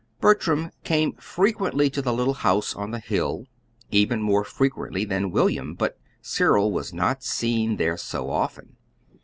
Bertram came frequently to the little house on the hill, even more frequently than William; but Cyril was not seen there so often.